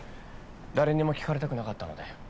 誰にも聞かれたくなかったので。